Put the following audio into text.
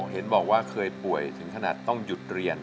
เห็นบอกว่าเคยป่วยถึงขนาดต้องหยุดเรียน